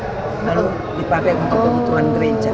lalu dipakai untuk kebutuhan gereja